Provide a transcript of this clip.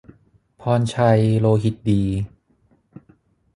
พรชัย โลหิตดี